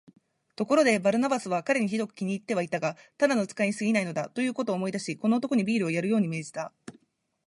ところで、バルナバスは彼にひどく気に入ってはいたが、ただの使いにすぎないのだ、ということを思い出し、この男にビールをやるように命じた。